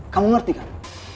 kamu ngerti kan